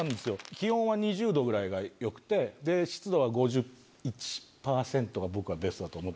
気温は２０度ぐらいが良くて湿度は５１％が僕はベストだと思ってるので。